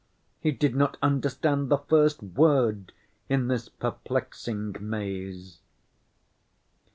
He did not understand the first word in this perplexing maze.